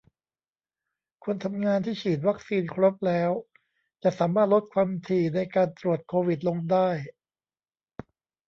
คนทำงานที่ฉีดวัคซีนครบแล้ว จะสามารถลดความถี่ในการตรวจโควิดลงได้